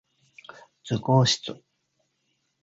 図工室